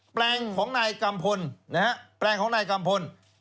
แปลงของนายกำพล